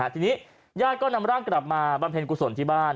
ทีนี้ญาติก็นำร่างกลับมาบำเพ็ญกุศลที่บ้าน